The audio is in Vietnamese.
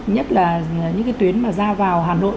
nhất là những cái tuyến mà ra vào hà nội